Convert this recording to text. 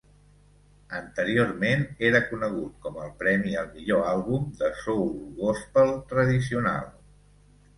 Anteriorment era conegut com el premi al millor àlbum de soul gospel tradicional.